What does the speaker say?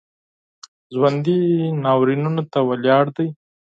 ژوندي ناورینونو ته ولاړ دي